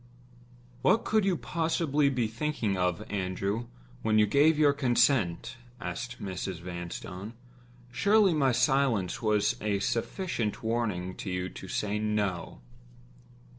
"What could you possibly be thinking of, Andrew, when you gave your consent?" said Mrs. Vanstone. "Surely my silence was a sufficient warning to you to say No?"